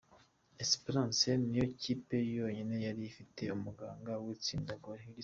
Esperance niyo kipe yonyine yari ifite umuganga w’igitsina gore.